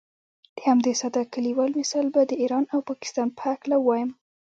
د همدې ساده کلیوال مثال به د ایران او پاکستان په هکله ووایم.